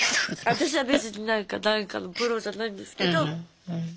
私は別になんかなんかのプロじゃないんですけど。